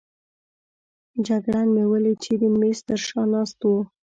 جګړن مې ولید چې د مېز تر شا ناست وو.